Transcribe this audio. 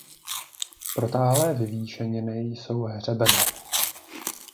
Protáhlé vyvýšeniny jsou hřebeny.